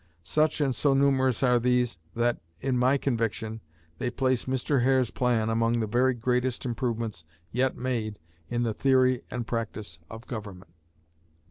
Such and so numerous are these, that, in my conviction, they place Mr. Hare's plan among the very greatest improvements yet made in the theory and practice of government.